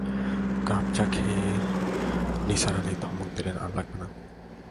Cup চা খেয়ে নিসার আলি ধমক দিলেন আর লাগবে না।